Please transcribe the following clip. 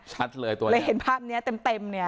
ชัดเลยตัวนี้เลยเห็นภาพเนี้ยเต็มเต็มเนี่ย